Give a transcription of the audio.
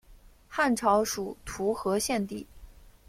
汉朝属徒河县地。